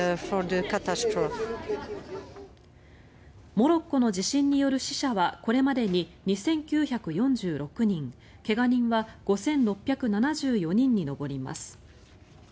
モロッコの地震による死者はこれまでに２９４６人怪我人は５６７４人に上ります。